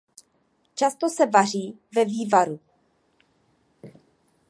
Často se vaří ve vývaru.